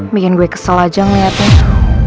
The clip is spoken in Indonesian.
bikin gue kesel aja ngeliatnya tuh